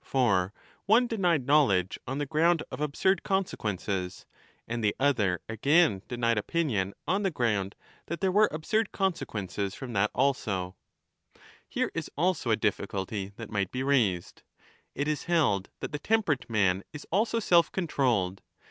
For one denied knowledge on the ground of absurd consequences, and the other again denied opinion on the ground that there were absurd consequences from that also. lo Here is also a difficulty that might be raised. It is held that the temperate man is also self controlled.